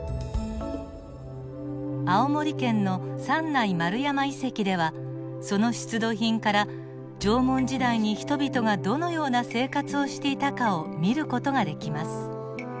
青森県の三内丸山遺跡ではその出土品から縄文時代に人々がどのような生活をしていたかを見る事ができます。